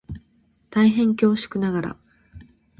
大変恐縮ながら